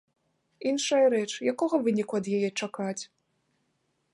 Іншая рэч, якога выніку ад яе чакаць?